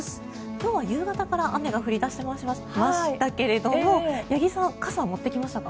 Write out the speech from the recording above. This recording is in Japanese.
今日は夕方から雨が降り出しましたけども八木さん傘は持ってきましたか？